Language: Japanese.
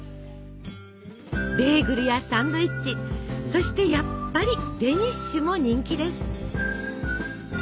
ベーグルやサンドイッチそしてやっぱりデニッシュも人気です。